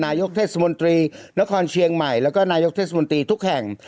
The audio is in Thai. นายกเทศมนตรีนครเชียงใหม่แล้วก็นายกเทศมนตรีทุกแห่ง